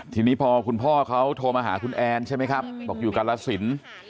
ทีนี้พอคุณพ่อเขาโทรมาหาคุณแอนใช่ไหมครับบอกอยู่กาลสิน